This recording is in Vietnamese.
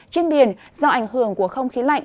trên biển do ảnh hưởng của không khí lạnh